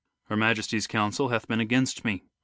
Her Majesty's counsel hath been against me.